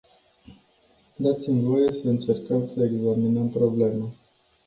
Dați-mi voie să încercăm să examinăm problema.